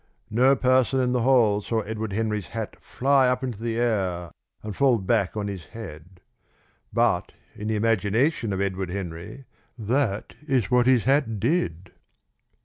No person in the hall saw Edward Henry's hat fly up into the air and fall back on his head. But in the imagination of Edward Henry, that was what his hat did.